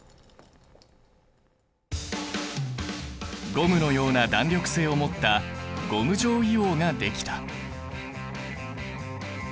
ゴムのような弾力性を持ったゴム状硫黄ができた。